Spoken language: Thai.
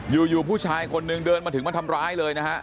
อยู่ผู้ชายคนหนึ่งเดินมาถึงมาทำร้ายเลยนะฮะ